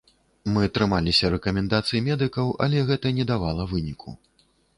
Мы трымаліся рэкамендацый медыкаў, але гэта не давала выніку.